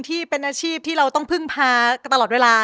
ที่เป็นอาชีพที่เราต้องพึ่งพากันตลอดเวลา